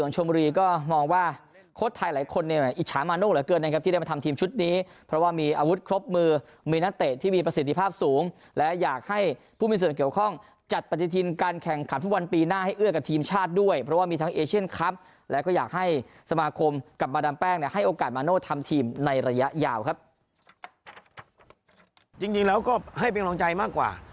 จริงแล้วก็ให้เป็นกำลังใจมากกว่า